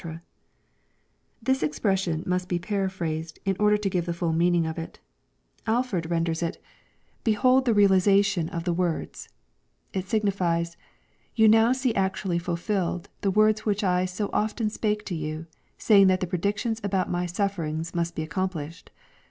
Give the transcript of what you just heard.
] This expression must be paraphra tftd, in order to give the full meaning of it. Alford renders it LUKE, CHAP. XXIV. 521 '* Bebold the realization of the words." — ^It signifies, " You now see actually fulfilled, the words which I so often spake to you, saying that the predictions about my sufferings must be accom plished.